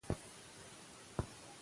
قد اندام او مخ یې ټوله د سلطان دي